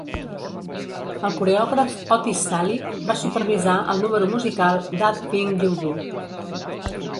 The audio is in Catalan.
El coreògraf Otis Sallid va supervisar el número musical "That Thing You Do".